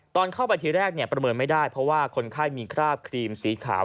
ตอนเข้าไปทีแรกประเมินไม่ได้เพราะว่าคนไข้มีคราบครีมสีขาว